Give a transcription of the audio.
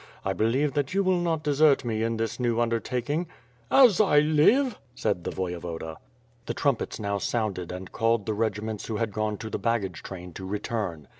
I believe that you will not desert me in this new undertaking." "As I live!" said the Voyevoda, The trumpets now sounded and called to the regiments who had gone to the baggage train to return.